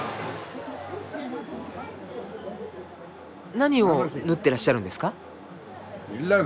何を縫ってらっしゃるんですか？